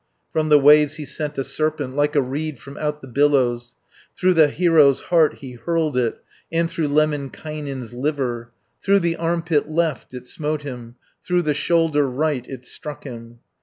From the waves he sent a serpent, Like a reed from out the billows; Through the hero's heart he hurled it, And through Lemminkainen's liver. 410 Through the arm pit left it smote him, Through the shoulder right it struck him.